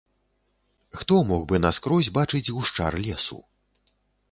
Хто мог бы наскрозь бачыць гушчар лесу?